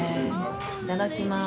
いただきます。